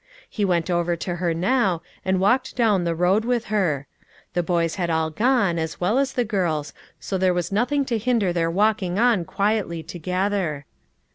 He went over to her now, and walked down the road with her. The boys had all gone, as well as the girls, so there was nothing to hinder their walking on quietly together.